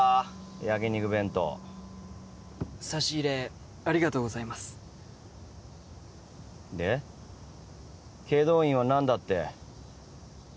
焼き肉弁当差し入れありがとうございますで祁答院は何だって？